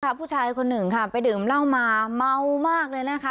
ผู้ชายคนหนึ่งค่ะไปดื่มเหล้ามาเมามากเลยนะคะ